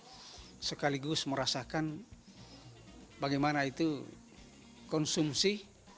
dan sekaligus merasakan bagaimana itu konsumsi